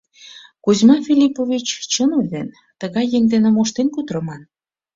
Кузьма Филиппович чын ойлен, тыгай еҥ дене моштен кутырыман.